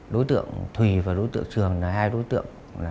đối tượng thùy và đối tượng trường là hai đối tượng